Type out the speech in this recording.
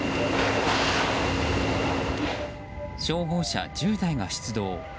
消防車１０台が出動。